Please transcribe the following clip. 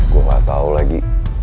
gue gak tau lagi